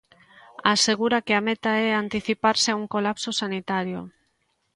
Asegura que a meta é anticiparse a un colapso sanitario.